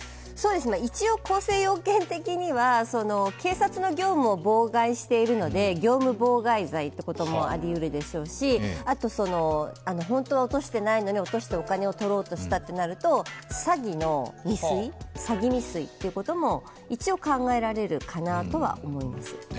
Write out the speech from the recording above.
一応、警察要件的には警察の業務を妨害しているので業務妨害罪ということもありうるでしょうし、あと、本当は落としてないのに落としてお金をとろうとすることになると、詐欺未遂ということも一応考えられるかなと思います。